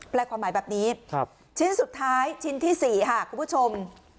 ความหมายแบบนี้ชิ้นสุดท้ายชิ้นที่๔ค่ะคุณผู้ชม